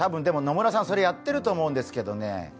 でも、野村さんそれやってると思うんですけどね。